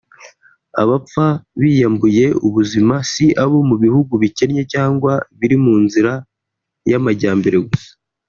Abapfa biyambuye ubuzima si abo mu bihugu bikennye cyangwa biri mu nzira y’amajyambere gusa